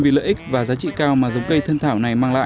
vì lợi ích và giá trị cao